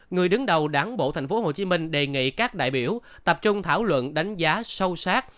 người đứng đầu đảng bộ tp hcm đề nghị các đại biểu tập trung thảo luận đánh giá sâu sát